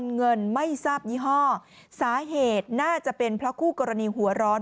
เงินไม่ทราบยี่ห้อสาเหตุน่าจะเป็นเพราะคู่กรณีหัวร้อน